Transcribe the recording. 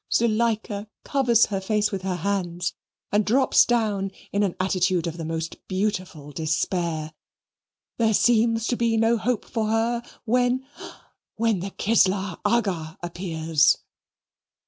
Zuleikah covers her face with her hands and drops down in an attitude of the most beautiful despair. There seems to be no hope for her, when when the Kislar Aga appears.